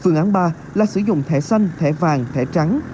phương án ba là sử dụng thẻ xanh thẻ vàng thẻ trắng